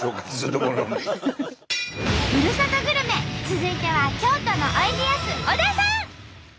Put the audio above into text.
続いては京都のおいでやす小田さん。